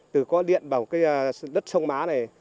từ có điện vào cái đất sông mã này